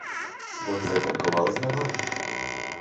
Boš zajtrkoval z menoj?